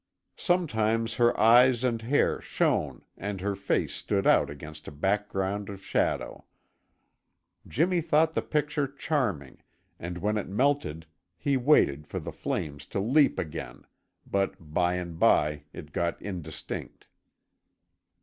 Sometimes her eyes and hair shone and her face stood out against a background of shadow. Jimmy thought the picture charming and when it melted he waited for the flames to leap again, but by and by it got indistinct.